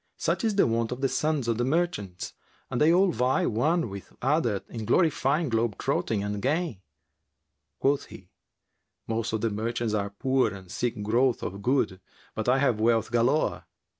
Such is the wont of the sons of the merchants and they all vie one with other in glorifying globe trotting and gain." Quoth he, "Most of the merchants are poor and seek growth of good; but I have wealth galore."